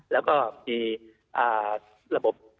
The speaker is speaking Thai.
แล้วก็มีระบบ